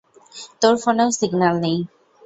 তোর ফোনেও সিগন্যাল নেই।